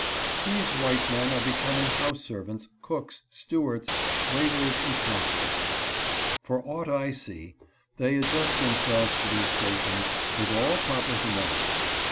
These white men are becoming house servants, cooks, stewards, waiters, and flunkies. For aught I see they adjust themselves to their stations with all proper humility.